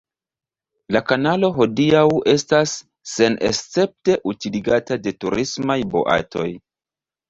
La kanalo hodiaŭ estas senescepte utiligata de turismaj boatoj.